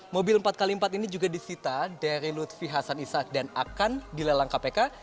mobil empat x empat ini juga disita dari lutfi hasan ishak dan akan dilelang kpk